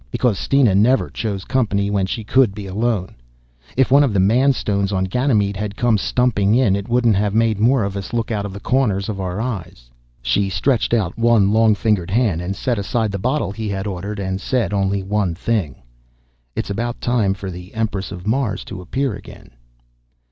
Because Steena never chose company when she could be alone. If one of the man stones on Ganymede had come stumping in, it wouldn't have made more of us look out of the corners of our eyes. She stretched out one long fingered hand and set aside the bottle he had ordered and said only one thing, "It's about time for the Empress of Mars to appear again."